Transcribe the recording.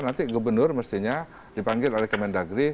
nanti gubernur mestinya dipanggil oleh kementerian negeri